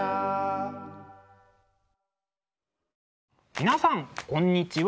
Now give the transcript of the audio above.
皆さんこんにちは。